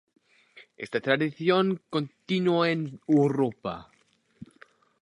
Esta tradición continuó en Europa.